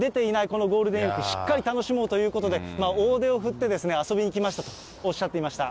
このゴールデンウィーク、しっかり楽しもうということで、大手を振って遊びに来ましたとおっしゃっていました。